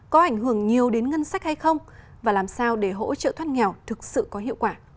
có ảnh hưởng nhiều đến ngân sách hay không và làm sao để hỗ trợ thoát nghèo thực sự có hiệu quả